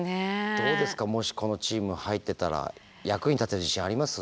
もしこのチーム入ってたら役に立てる自信あります？